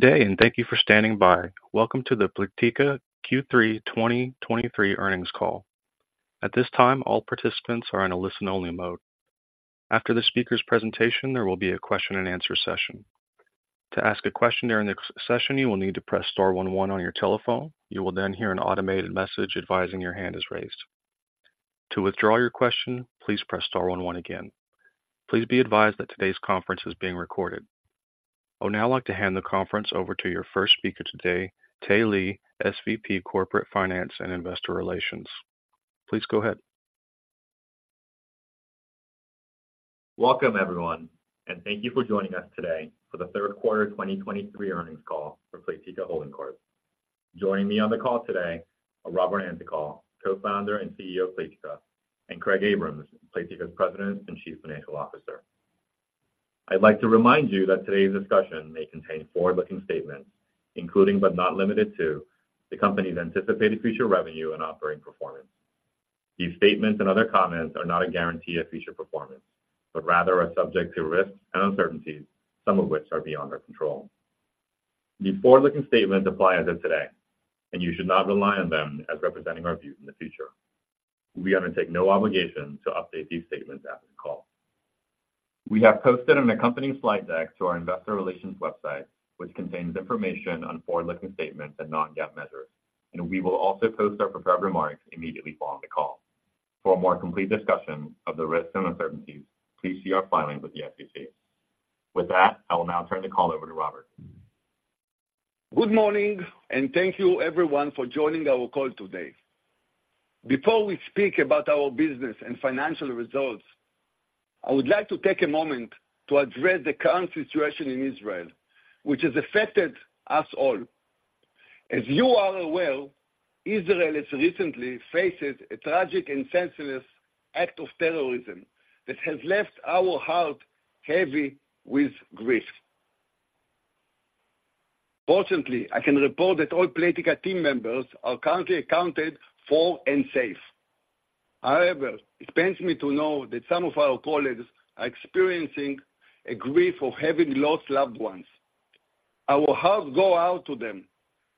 Good day, and thank you for standing by. Welcome to the Playtika Q3 2023 Earnings Call. At this time, all participants are in a listen-only mode. After the speaker's presentation, there will be a question and answer session. To ask a question during the session, you will need to press star one one on your telephone. You will then hear an automated message advising your hand is raised. To withdraw your question, please press star one one again. Please be advised that today's conference is being recorded. I would now like to hand the conference over to your first speaker today, Tae Lee, SVP Corporate Finance and Investor Relations. Please go ahead. Welcome, everyone, and thank you for joining us today for The Third Quarter 2023 Earning Call for Playtika Holding Corp. Joining me on the call today are Robert Antokol, Co-founder and CEO of Playtika, and Craig Abrahams, Playtika's President and Chief Financial Officer. I'd like to remind you that today's discussion may contain forward-looking statements, including, but not limited to, the company's anticipated future revenue and operating performance. These statements and other comments are not a guarantee of future performance, but rather are subject to risks and uncertainties, some of which are beyond our control. These forward-looking statements apply as of today, and you should not rely on them as representing our views in the future. We undertake no obligation to update these statements after the call. We have posted an accompanying slide deck to our investor relations website, which contains information on forward-looking statements and non-GAAP measures, and we will also post our prepared remarks immediately following the call. For a more complete discussion of the risks and uncertainties, please see our filings with the SEC. With that, I will now turn the call over to Robert. Good morning, and thank you everyone for joining our call today. Before we speak about our business and financial results, I would like to take a moment to address the current situation in Israel, which has affected us all. As you are aware, Israel has recently faced a tragic and senseless act of terrorism that has left our heart heavy with grief. Fortunately, I can report that all Playtika team members are currently accounted for and safe. However, it pains me to know that some of our colleagues are experiencing a grief of having lost loved ones. Our hearts go out to them,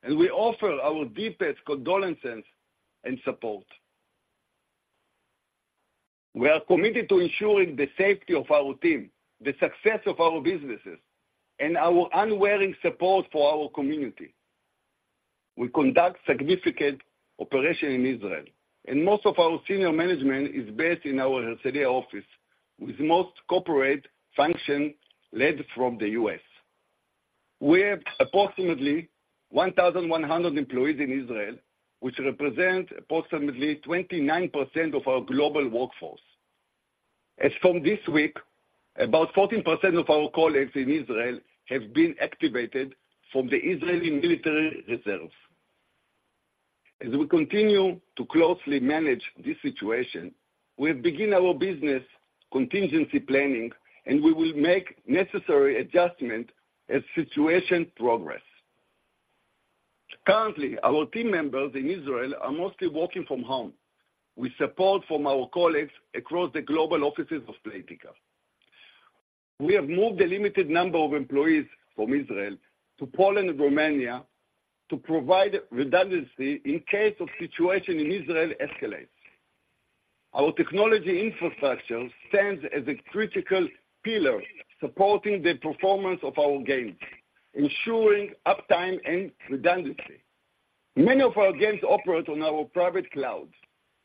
and we offer our deepest condolences and support. We are committed to ensuring the safety of our team, the success of our businesses, and our unwavering support for our community. We conduct significant operations in Israel, and most of our senior management is based in our Herzliya office, with most corporate functions led from the U.S. We have approximately 1,100 employees in Israel, which represent approximately 29% of our global workforce. As of this week, about 14% of our colleagues in Israel have been activated from the Israeli military reserves. As we continue to closely manage this situation, we have begun our business contingency planning, and we will make necessary adjustments as the situation progresses. Currently, our team members in Israel are mostly working from home, with support from our colleagues across the global offices of Playtika. We have moved a limited number of employees from Israel to Poland and Romania to provide redundancy in case the situation in Israel escalates. Our technology infrastructure stands as a critical pillar, supporting the performance of our games, ensuring uptime and redundancy. Many of our games operate on our private cloud,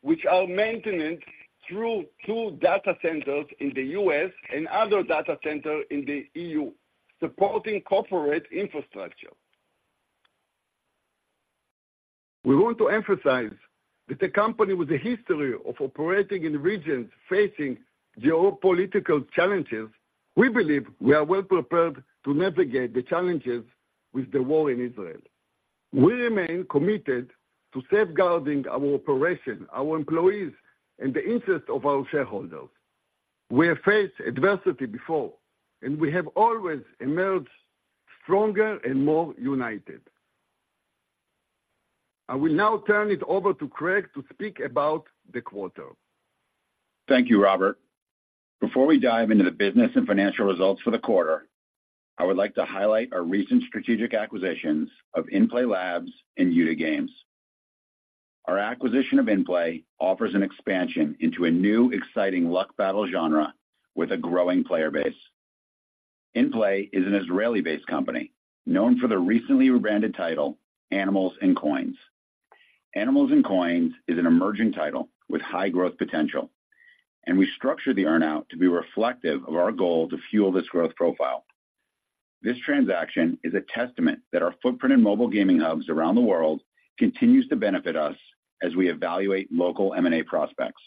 which are maintained through two data centers in the U.S. and other data center in the E.U., supporting corporate infrastructure. We want to emphasize that the company with a history of operating in regions facing geopolitical challenges, we believe we are well prepared to navigate the challenges with the war in Israel. We remain committed to safeguarding our operation, our employees, and the interest of our shareholders. We have faced adversity before, and we have always emerged stronger and more united. I will now turn it over to Craig to speak about the quarter. Thank you, Robert. Before we dive into the business and financial results for the quarter, I would like to highlight our recent strategic acquisitions of Innplay Labs and Youda Games. Our acquisition of Innplay offers an expansion into a new, exciting Luck Battle genre with a growing player base. Innplay is an Israeli-based company known for their recently rebranded title, Animals and Coins. Animals and Coins is an emerging title with high growth potential, and we structured the earn-out to be reflective of our goal to fuel this growth profile. This transaction is a testament that our footprint in mobile gaming hubs around the world continues to benefit us as we evaluate local M&A prospects.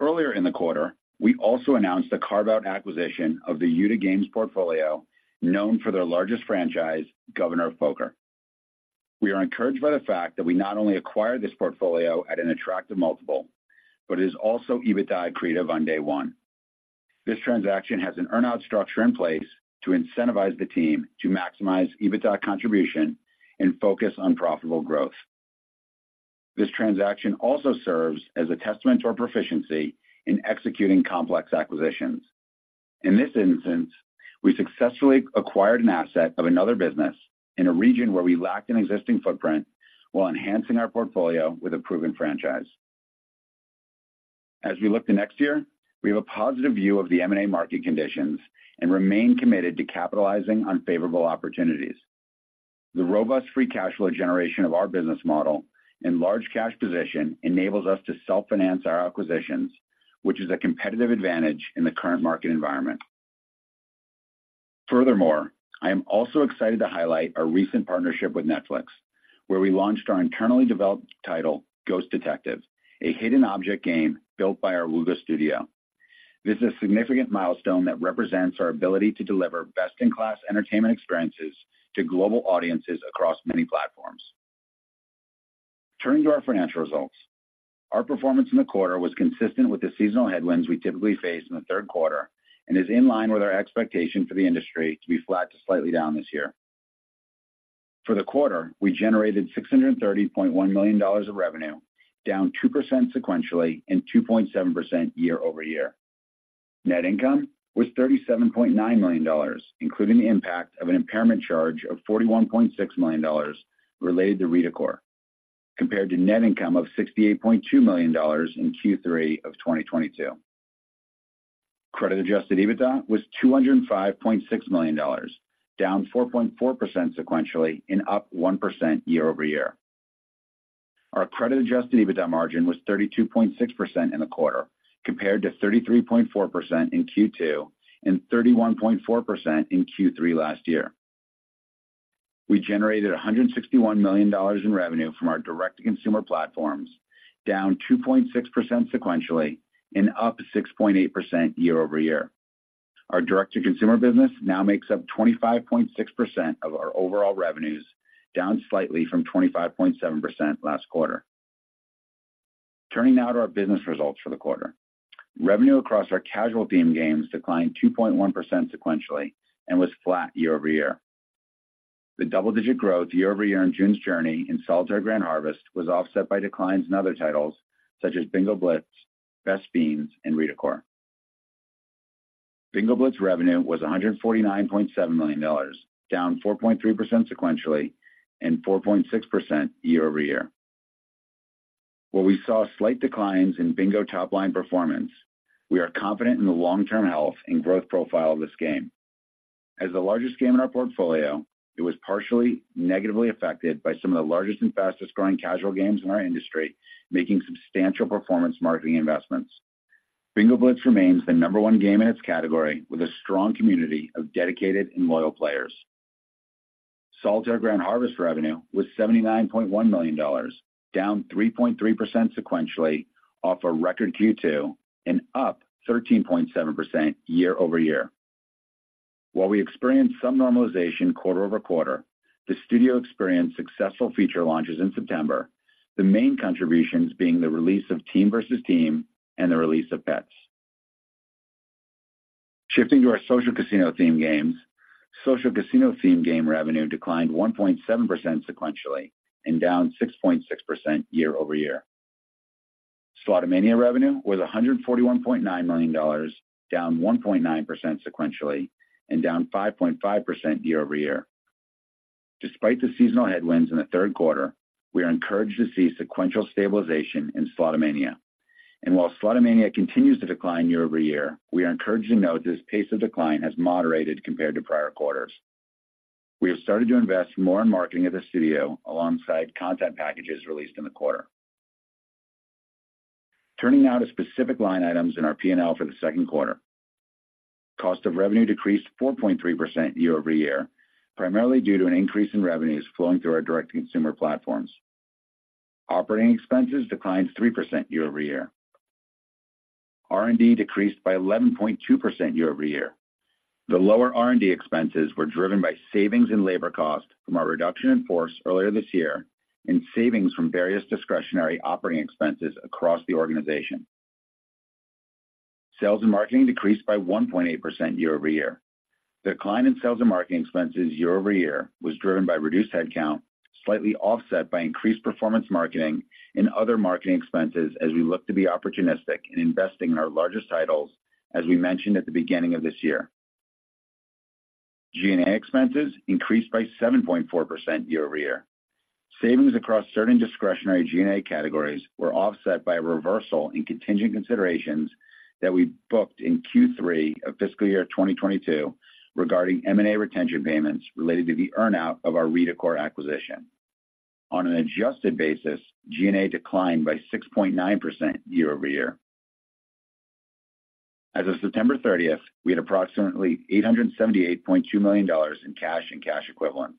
Earlier in the quarter, we also announced the carve-out acquisition of the Youda Games portfolio, known for their largest franchise, Governor of Poker. We are encouraged by the fact that we not only acquired this portfolio at an attractive multiple, but it is also EBITDA accretive on day one. This transaction has an earn-out structure in place to incentivize the team to maximize EBITDA contribution and focus on profitable growth. This transaction also serves as a testament to our proficiency in executing complex acquisitions. In this instance, we successfully acquired an asset of another business in a region where we lacked an existing footprint, while enhancing our portfolio with a proven franchise. As we look to next year, we have a positive view of the M&A market conditions and remain committed to capitalizing on favorable opportunities. The robust free cash flow generation of our business model and large cash position enables us to self-finance our acquisitions, which is a competitive advantage in the current market environment. Furthermore, I am also excited to highlight our recent partnership with Netflix, where we launched our internally developed title, Ghost Detective, a hidden object game built by our Wooga studio. This is a significant milestone that represents our ability to deliver best-in-class entertainment experiences to global audiences across many platforms. Turning to our financial results. Our performance in the quarter was consistent with the seasonal headwinds we typically face in the third quarter and is in line with our expectation for the industry to be flat to slightly down this year. For the quarter, we generated $630.1 million of revenue, down 2% sequentially and 2.7% year-over-year. Net income was $37.9 million, including the impact of an impairment charge of $41.6 million related to Redecor, compared to net income of $68.2 million in Q3 of 2022. Credit-adjusted EBITDA was $205.6 million, down 4.4% sequentially and up 1% year-over-year. Our credit-adjusted EBITDA margin was 32.6% in the quarter, compared to 33.4% in Q2 and 31.4% in Q3 last year. We generated $161 million in revenue from our direct-to-consumer platforms, down 2.6% sequentially and up 6.8% year-over-year. Our direct-to-consumer business now makes up 25.6% of our overall revenues, down slightly from 25.7% last quarter. Turning now to our business results for the quarter. Revenue across our casual theme games declined 2.1% sequentially and was flat year-over-year. The double-digit growth year-over-year in June's Journey and Solitaire Grand Harvest was offset by declines in other titles such as Bingo Blitz, Best Fiends, and Redecor. Bingo Blitz revenue was $149.7 million, down 4.3% sequentially and 4.6% year-over-year. While we saw slight declines in Bingo top-line performance, we are confident in the long-term health and growth profile of this game. As the largest game in our portfolio, it was partially negatively affected by some of the largest and fastest-growing casual games in our industry, making substantial performance marketing investments. Bingo Blitz remains the number one game in its category, with a strong community of dedicated and loyal players. Solitaire Grand Harvest revenue was $79.1 million, down 3.3% sequentially, off a record Q2 and up 13.7% year-over-year. While we experienced some normalization quarter-over-quarter, the studio experienced successful feature launches in September, the main contributions being the release of Team versus Team and the release of Pets. Shifting to our social casino theme games. Social casino theme game revenue declined 1.7% sequentially and down 6.6% year-over-year. Slotomania revenue was $141.9 million, down 1.9% sequentially and down 5.5% year-over-year. Despite the seasonal headwinds in the third quarter, we are encouraged to see sequential stabilization in Slotomania. And while Slotomania continues to decline year-over-year, we are encouraged to note this pace of decline has moderated compared to prior quarters. We have started to invest more in marketing at the studio alongside content packages released in the quarter. Turning now to specific line items in our P&L for the second quarter. Cost of revenue decreased 4.3% year-over-year, primarily due to an increase in revenues flowing through our direct-to-consumer platforms. Operating expenses declined 3% year-over-year. R&D decreased by 11.2% year-over-year. The lower R&D expenses were driven by savings in labor costs from our reduction in force earlier this year and savings from various discretionary operating expenses across the organization. Sales and marketing decreased by 1.8% year-over-year. The decline in sales and marketing expenses year-over-year was driven by reduced headcount, slightly offset by increased performance marketing and other marketing expenses as we look to be opportunistic in investing in our largest titles, as we mentioned at the beginning of this year. G&A expenses increased by 7.4% year-over-year. Savings across certain discretionary G&A categories were offset by a reversal in contingent considerations that we booked in Q3 of fiscal year 2022 regarding M&A retention payments related to the earn-out of our Redecor acquisition. On an adjusted basis, G&A declined by 6.9% year-over-year. As of September 30, we had approximately $878.2 million in cash and cash equivalents.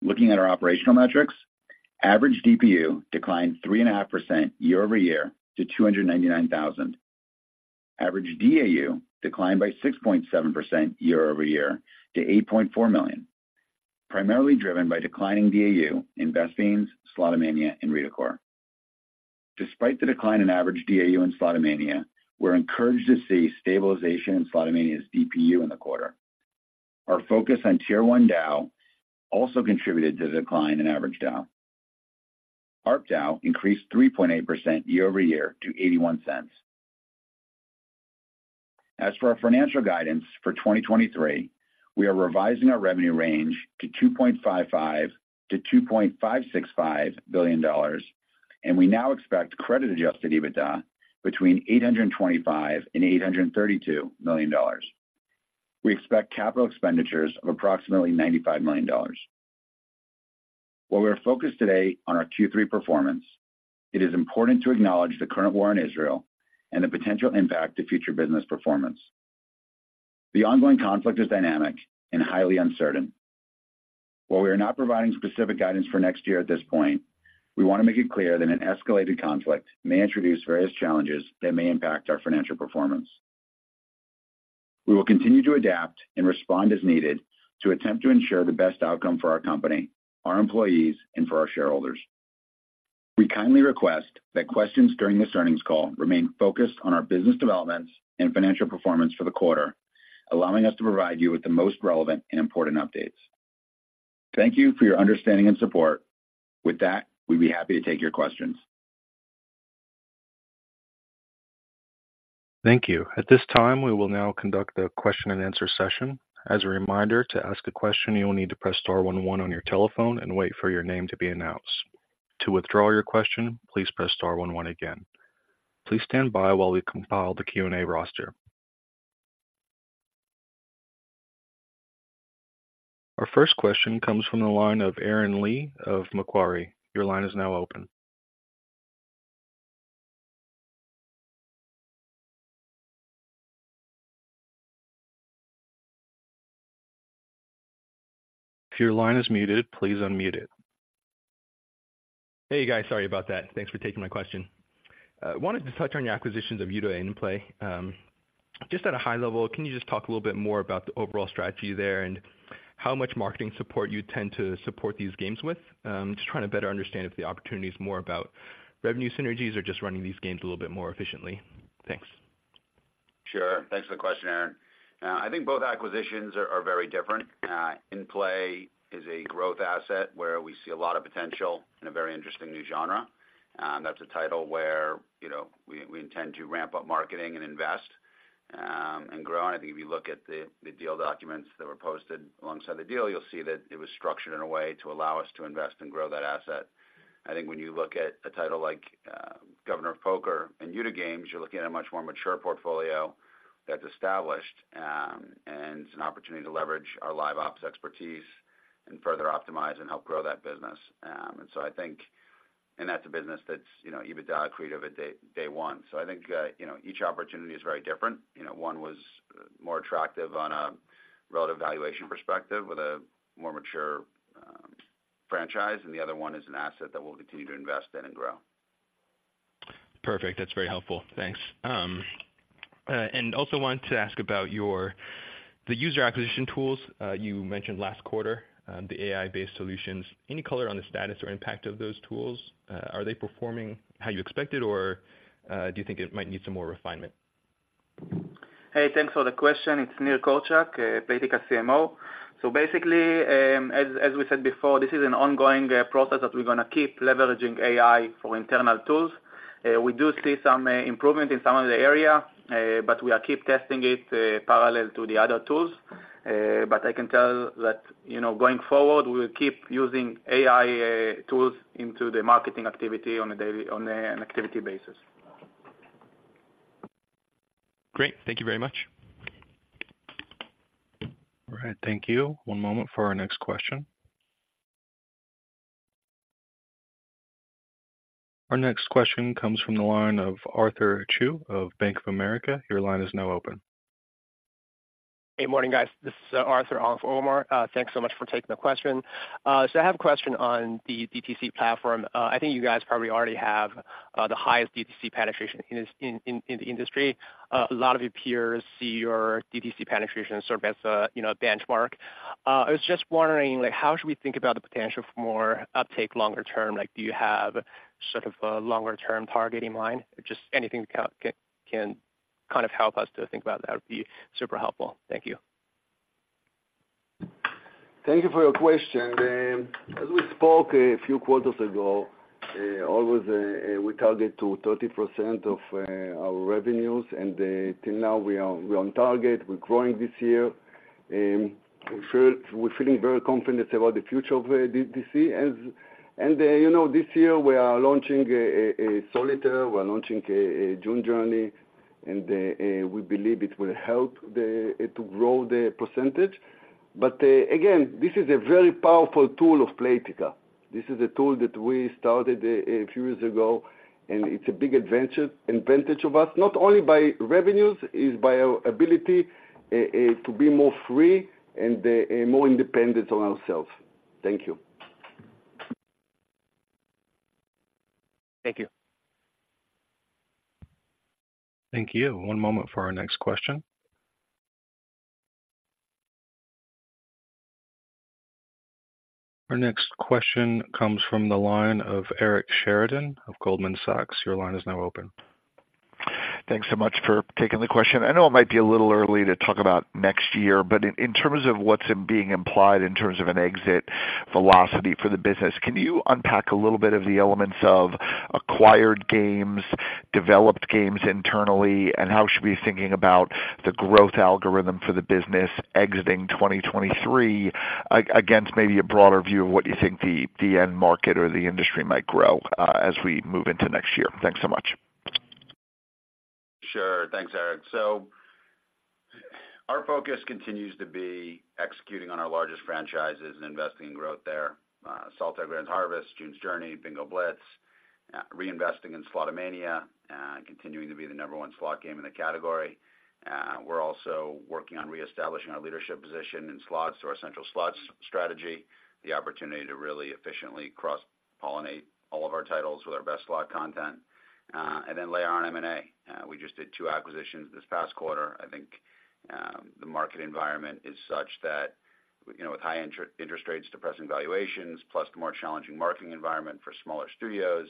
Looking at our operational metrics, average DPU declined 3.5% year-over-year to 299,000. Average DAU declined by 6.7% year-over-year to 8.4 million, primarily driven by declining DAU in Best Fiends, Slotomania, and Redecor. Despite the decline in average DAU in Slotomania, we're encouraged to see stabilization in Slotomania's DPU in the quarter. Our focus on Tier 1 DAU also contributed to the decline in average DAU. ARPDAU increased 3.8% year-over-year to $0.81. As for our financial guidance for 2023, we are revising our revenue range to $2.55 billion-$2.565 billion, and we now expect credit-adjusted EBITDA between $825 million and $832 million. We expect capital expenditures of approximately $95 million. While we are focused today on our Q3 performance, it is important to acknowledge the current war in Israel and the potential impact to future business performance. The ongoing conflict is dynamic and highly uncertain. While we are not providing specific guidance for next year at this point, we want to make it clear that an escalated conflict may introduce various challenges that may impact our financial performance. We will continue to adapt and respond as needed to attempt to ensure the best outcome for our company, our employees, and for our shareholders. We kindly request that questions during this earnings call remain focused on our business developments and financial performance for the quarter, allowing us to provide you with the most relevant and important updates. Thank you for your understanding and support. With that, we'd be happy to take your questions. Thank you. At this time, we will now conduct a question-and-answer session. As a reminder, to ask a question, you will need to press star one one on your telephone and wait for your name to be announced. To withdraw your question, please press star one one again. Please stand by while we compile the Q&A roster. Our first question comes from the line of Aaron Lee of Macquarie. Your line is now open. If your line is muted, please unmute it. Hey, guys, sorry about that. Thanks for taking my question. Wanted to touch on your acquisitions of Youda and Innplay. Just at a high level, can you just talk a little bit more about the overall strategy there and how much marketing support you tend to support these games with? Just trying to better understand if the opportunity is more about revenue synergies or just running these games a little bit more efficiently. Thanks. Sure. Thanks for the question, Aaron. I think both acquisitions are very different. Innplay is a growth asset where we see a lot of potential in a very interesting new genre. That's a title where, you know, we intend to ramp up marketing and invest and grow. I think if you look at the deal documents that were posted alongside the deal, you'll see that it was structured in a way to allow us to invest and grow that asset. I think when you look at a title like Governor of Poker and Youda Games, you're looking at a much more mature portfolio that's established, and it's an opportunity to leverage our LiveOps expertise and further optimize and help grow that business. And so I think. And that's a business that's, you know, EBITDA accretive at day one. I think, you know, each opportunity is very different. You know, one was more attractive on a relative valuation perspective with a more mature franchise, and the other one is an asset that we'll continue to invest in and grow. Perfect. That's very helpful. Thanks. And also wanted to ask about your, the user acquisition tools. You mentioned last quarter, the AI-based solutions. Any color on the status or impact of those tools? Are they performing how you expected, or, do you think it might need some more refinement? Hey, thanks for the question. It's Nir Korczak, Playtika CMO. So basically, as we said before, this is an ongoing process that we're gonna keep leveraging AI for internal tools. We do see some improvement in some of the area, but we are keep testing it parallel to the other tools. But I can tell that, you know, going forward, we will keep using AI tools into the marketing activity on a daily, on a activity basis. Great. Thank you very much. All right. Thank you. One moment for our next question. Our next question comes from the line of Arthur Chu of Bank of America. Your line is now open. Hey, morning, guys. This is Arthur Chu. Thanks so much for taking the question. So I have a question on the DTC platform. I think you guys probably already have the highest DTC penetration in the industry. A lot of your peers see your DTC penetration sort of as a, you know, benchmark. I was just wondering, like, how should we think about the potential for more uptake longer term? Like, do you have sort of a longer-term target in mind? Just anything that can kind of help us to think about that would be super helpful. Thank you. Thank you for your question. As we spoke a few quarters ago, always we target to 30% of our revenues, and till now, we're on target. We're growing this year. We're feeling very confident about the future of DTC. And, you know, this year we are launching a Solitaire, we're launching a June's Journey, and we believe it will help to grow the percentage. But again, this is a very powerful tool of Playtika. This is a tool that we started a few years ago, and it's a big advantage of us, not only by revenues, is by our ability to be more free and more independent on ourselves. Thank you. Thank you. Thank you. One moment for our next question. Our next question comes from the line of Eric Sheridan of Goldman Sachs. Your line is now open. Thanks so much for taking the question. I know it might be a little early to talk about next year, but in terms of what's being implied in terms of an exit velocity for the business, can you unpack a little bit of the elements of acquired games, developed games internally, and how should we be thinking about the growth algorithm for the business exiting 2023, against maybe a broader view of what you think the end market or the industry might grow, as we move into next year? Thanks so much. Sure. Thanks, Eric. So our focus continues to be executing on our largest franchises and investing in growth there. Solitaire Grand Harvest, June's Journey, Bingo Blitz, reinvesting in Slotomania, continuing to be the number one slot game in the category. We're also working on reestablishing our leadership position in slots through our central slots strategy, the opportunity to really efficiently cross-pollinate all of our titles with our best slot content, and then layer on M&A. We just did two acquisitions this past quarter. I think, the market environment is such that, you know, with high interest rates, depressing valuations, plus the more challenging marketing environment for smaller studios,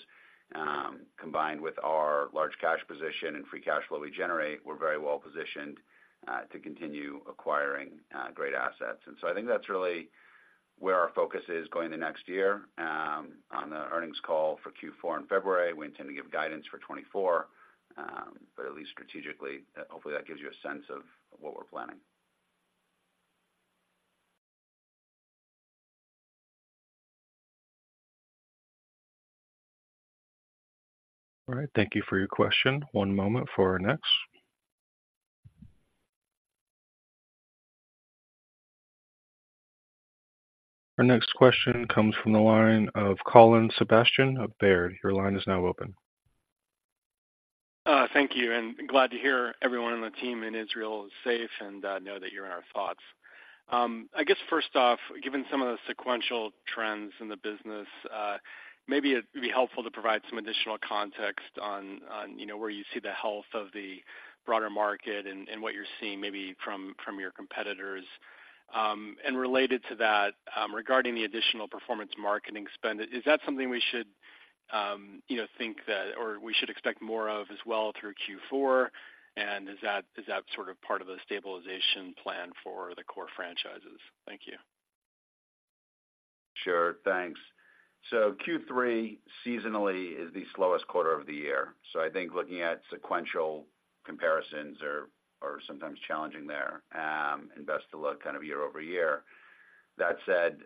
combined with our large cash position and free cash flow we generate, we're very well positioned, to continue acquiring, great assets. And so I think that's really where our focus is going the next year. On the earnings call for Q4 in February, we intend to give guidance for 2024, but at least strategically, hopefully, that gives you a sense of what we're planning. All right. Thank you for your question. One moment for our next. Our next question comes from the line of Colin Sebastian of Baird. Your line is now open. Thank you, and glad to hear everyone on the team in Israel is safe, and know that you're in our thoughts. I guess first off, given some of the sequential trends in the business, maybe it'd be helpful to provide some additional context on you know, where you see the health of the broader market and what you're seeing maybe from your competitors. And related to that, regarding the additional performance marketing spend, is that something we should you know, think that or we should expect more of as well through Q4? And is that sort of part of the stabilization plan for the core franchises? Thank you. Sure. Thanks. So Q3, seasonally, is the slowest quarter of the year. So I think looking at sequential comparisons are sometimes challenging there, and best to look kind of year-over-year. That said,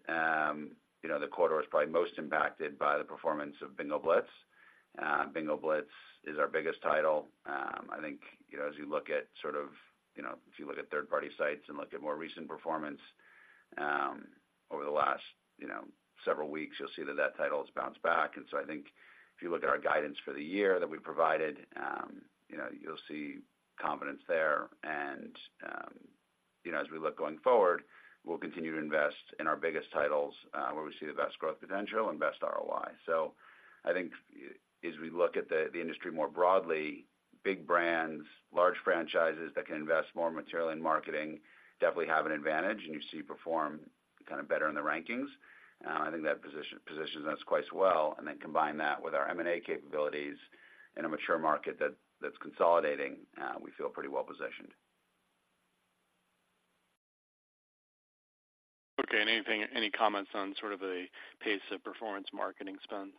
you know, the quarter was probably most impacted by the performance of Bingo Blitz. Bingo Blitz is our biggest title. I think, you know, as you look at sort of you know, if you look at third-party sites and look at more recent performance, over the last, you know, several weeks, you'll see that that title's bounced back. And so I think if you look at our guidance for the year that we provided, you know, you'll see confidence there. And, you know, as we look going forward, we'll continue to invest in our biggest titles, where we see the best growth potential and best ROI. So I think as we look at the industry more broadly, big brands, large franchises that can invest more materially in marketing definitely have an advantage, and you see perform kind of better in the rankings. I think that positions us quite well, and then combine that with our M&A capabilities in a mature market that's consolidating, we feel pretty well-positioned. Okay, anything, any comments on sort of the pace of performance marketing spend?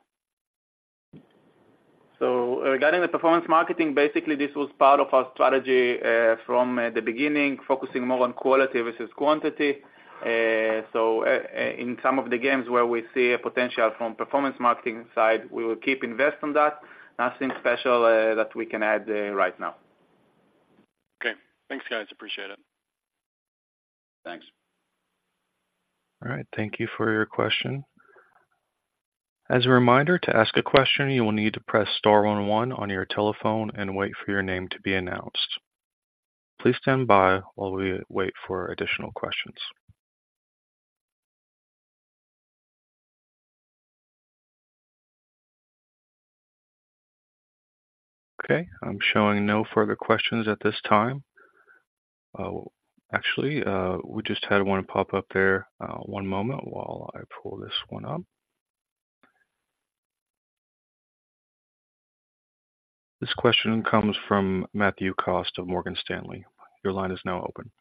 So regarding the performance marketing, basically, this was part of our strategy, from the beginning, focusing more on quality versus quantity. In some of the games where we see a potential from performance marketing side, we will keep invest on that. Nothing special, that we can add, right now. Okay. Thanks, guys. Appreciate it. Thanks. All right. Thank you for your question. As a reminder, to ask a question, you will need to press star one one on your telephone and wait for your name to be announced. Please stand by while we wait for additional questions. Okay, I'm showing no further questions at this time. Actually, we just had one pop up there. One moment while I pull this one up. This question comes from Matthew Cost of Morgan Stanley. Your line is now open.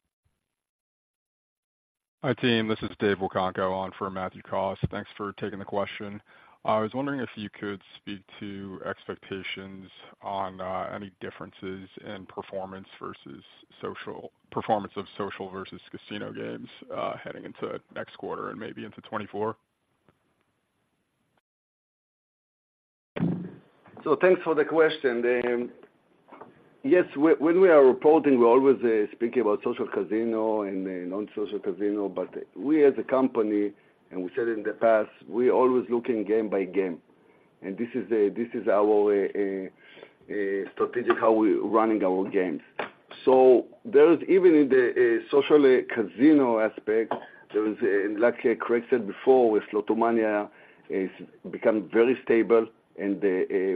Hi, team. This is David Nwokonko on for Matthew Cost. Thanks for taking the question. I was wondering if you could speak to expectations on any differences in performance of social versus casino games heading into next quarter and maybe into 2024. So thanks for the question. Yes, when we are reporting, we're always speaking about social casino and non-social casino, but we, as a company, and we said in the past, we're always looking game by game. And this is our strategic how we're running our games. So there is even in the social casino aspect, there is, like Craig said before, with Slotomania, has become very stable and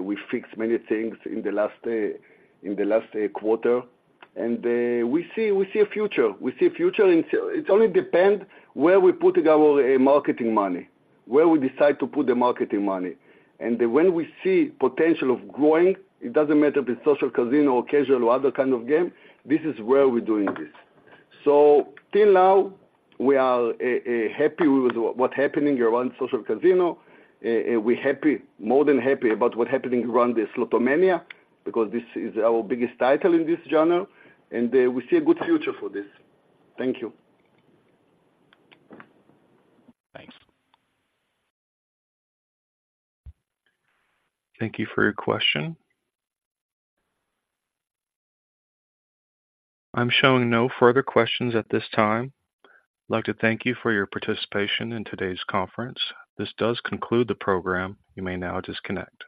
we fixed many things in the last quarter. And we see a future. We see a future, and so it only depends where we're putting our marketing money, where we decide to put the marketing money. And when we see potential of growing, it doesn't matter if it's social casino or casual or other kind of game, this is where we're doing this. So till now, we are happy with what happening around social casino. We're happy, more than happy about what happening around the Slotomania, because this is our biggest title in this genre, and we see a good future for this. Thank you. Thanks. Thank you for your question. I'm showing no further questions at this time. I'd like to thank you for your participation in today's conference. This does conclude the program. You may now disconnect.